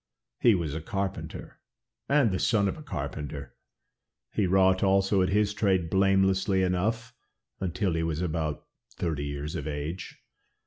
He was a carpenter, and the son of a carpenter, he wrought also at his trade blamelessly enough until he was about thirty years of age.